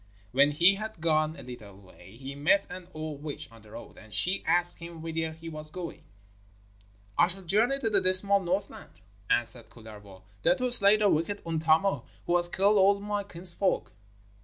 When he had gone a little way he met an old witch on the road, and she asked him whither he was going. 'I shall journey to the dismal Northland,' answered Kullervo, 'there to slay the wicked Untamo, who has killed all my kinsfolk.'